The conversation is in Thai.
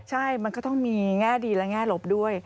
ใช่มันก็ต้องมีแง่ดีและแง่ลบด้วย